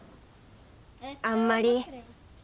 あんまり。